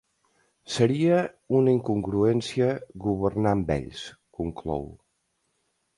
“Seria una incongruència governar amb ells”, conclou.